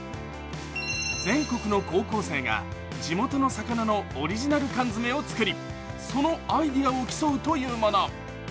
全国の高校生が地元の魚のオリジナル缶詰を作り、そのアイデアを競うというもの。